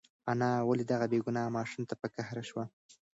انا ولې دغه بېګناه ماشوم ته په قهر شوه؟